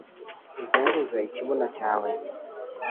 uzunguze ikibuno cyawe